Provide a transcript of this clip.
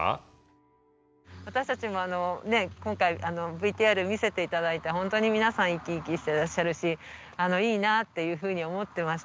私たちも今回ＶＴＲ見せて頂いて本当に皆さん生き生きしてらっしゃるしいいなあっていうふうに思ってました。